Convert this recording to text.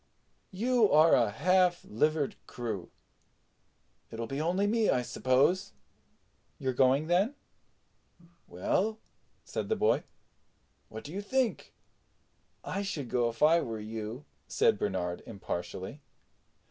You are a half livered crew. It'll be only me, I suppose." "You're going, then?" "Well," said the boy, "what do you think?" "I should go if I were you," said Bernard impartially.